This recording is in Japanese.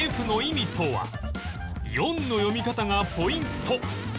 ４の読み方がポイント！